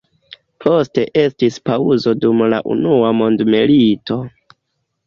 Poste estis paŭzo dum la unua mondmilito.